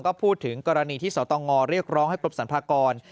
ก็พูดถึงกรณีที่สตงเรียกร้องให้กรมสรรพากร